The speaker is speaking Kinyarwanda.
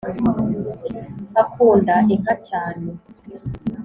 akunda inka cyane.